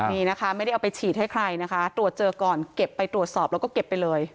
นี่นะคะไม่ได้เอาไปฉีดให้ใครนะคะตรวจเจอก่อนเก็บไปตรวจสอบแล้วก็เก็บไปเลย